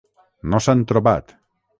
No s'han trobat.